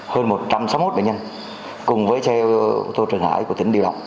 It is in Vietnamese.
hơn một trăm sáu mươi một bệnh nhân cùng với xe ô tô trường hải của tỉnh điều động